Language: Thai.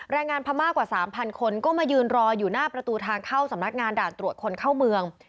แรงงานพม่ากว่า๓๐๐คนก็มายืนรออยู่หน้าประตูทางเข้าสำนักงานด่านตรวจคนเข้าเมือง